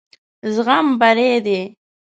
زغم بري دی.